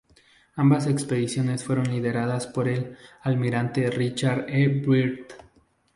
Ambas expediciones fueron lideradas por el almirante Richard E. Byrd.